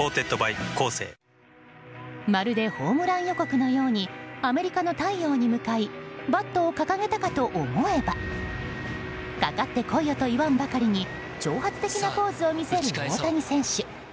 まるでホームラン予告のようにアメリカの太陽に向かいバットを掲げたかと思えばかかって来いよと言わんばかりに挑発的なポーズを見せる大谷選手。